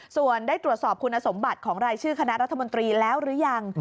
ส่วนได้ตรวจสอบคุณสมบัติของรายชื่อคณะรัฐมนตรีแล้วหรือยัง